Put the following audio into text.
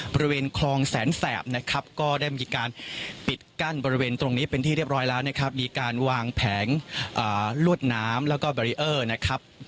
บริเวณคลองแสนแสบนะครับก็ได้มีการปิดกั้นบริเวณตรงนี้เป็นที่เรียบร้อยแล้วนะครับมีการวางแผงลวดน้ำแล้วก็แบรีเออร์นะครับ